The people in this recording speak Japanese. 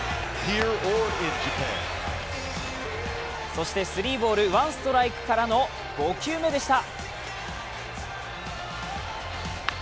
そしてスリーボール・ワンストライクからの５球目でした。